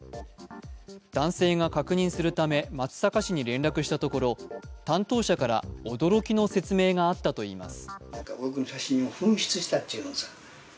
男性が確認するため松阪市に連絡したところ担当者から驚きの説明があったといいます。